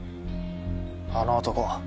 あの男